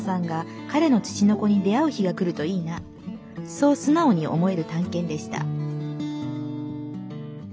「そう素直に思える探検でした」。